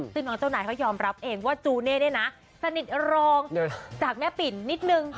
ซึ่งน้องเจ้านายเขายอมรับเองว่าจูเน่เนี่ยนะสนิทรองจากแม่ปิ่นนิดนึง